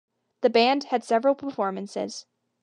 The band had several performances.